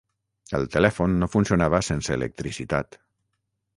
El telèfon no funcionava sense electricitat.